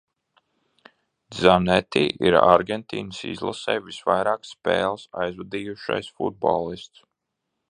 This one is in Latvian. Dzaneti ir Argentīnas izlasē visvairāk spēles aizvadījušais futbolists.